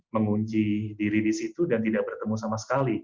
mengunci diri di situ dan tidak bertemu sama sekali